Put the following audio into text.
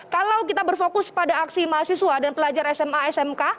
kalau kita berfokus pada aksi mahasiswa dan pelajar sma smk